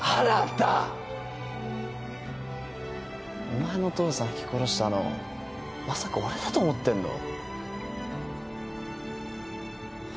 お前の父さんひき殺したのまさか俺だと思ってんの？